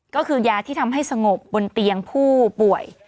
ก็คือยาที่ทำให้สงบบนเตียงผู้ป่วย